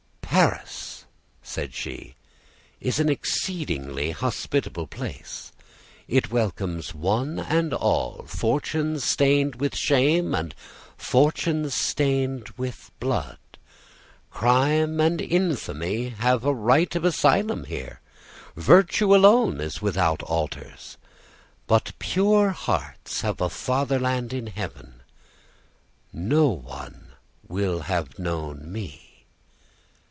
"Paris," said she, "is an exceedingly hospitable place; it welcomes one and all, fortunes stained with shame, and fortunes stained with blood. Crime and infamy have a right of asylum here; virtue alone is without altars. But pure hearts have a fatherland in heaven! No one will have known me!